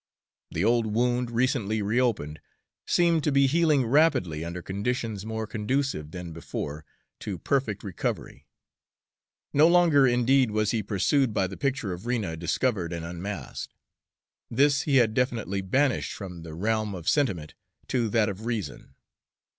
The old wound, recently reopened, seemed to be healing rapidly, under conditions more conducive than before to perfect recovery. No longer, indeed, was he pursued by the picture of Rena discovered and unmasked this he had definitely banished from the realm of sentiment to that of reason.